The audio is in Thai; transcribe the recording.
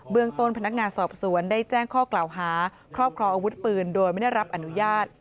เมืองต้นพนักงานสอบสวนได้แจ้งข้อกล่าวหาครอบครองอาวุธปืนโดยไม่ได้รับอนุญาต